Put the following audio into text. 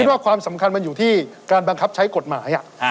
ว่าความสำคัญมันอยู่ที่การบังคับใช้กฎหมาย